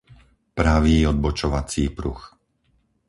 pravý odbočovací pruh